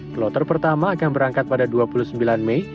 kloter pertama akan berangkat pada dua puluh sembilan mei